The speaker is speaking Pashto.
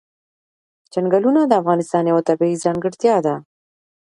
چنګلونه د افغانستان یوه طبیعي ځانګړتیا ده.